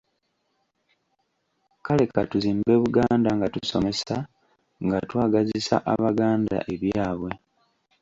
Kale ka tuzimbe Buganda nga tusomesa, nga twagazisa Abaganda ebyabwe.